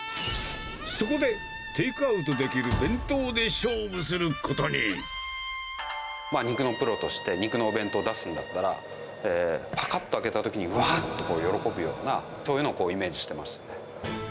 そこで、テイクアウトできる弁当肉のプロとして、肉のお弁当出すんだったら、ぱかっと開けたときに、わあっと喜ぶような、そういうのをイメージしてましたね。